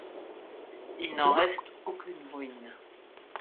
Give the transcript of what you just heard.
Il n'en reste aucune ruine.